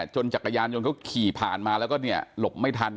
จักรยานยนต์เขาขี่ผ่านมาแล้วก็หลบไม่ทัน